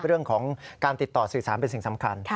เรื่องของการติดต่อสื่อสารเป็นสิ่งสำคัญ